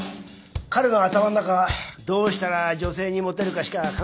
彼の頭の中はどうしたら女性にモテるかしか考えてない。